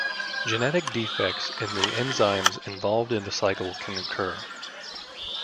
Genetic defects in the enzymes involved in the cycle can occur.